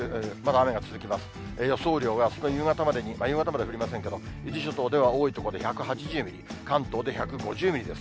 雨量があすの夕方までに夕方まで降りませんけど、伊豆諸島では多い所では１８０ミリ、関東で１５０ミリです。